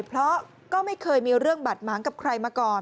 เพราะก็ไม่เคยมีเรื่องบาดหมางกับใครมาก่อน